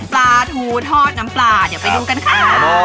ปลาทูทอดน้ำปลาเดี๋ยวไปดูกันค่ะ